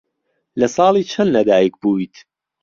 لە ساڵی چەند لەدایک بوویت؟